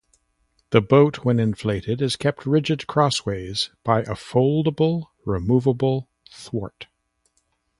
The boat, when inflated, is kept rigid crossways by a foldable removable thwart.